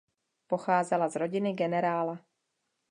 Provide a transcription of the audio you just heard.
Pocházela z rodiny generála.